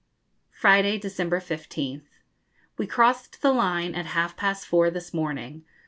Friday, December 15th. We crossed the line at half past four this morning.